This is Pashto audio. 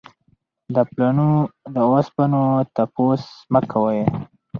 د پلونو د اوسپنو تپوس مه کوئ.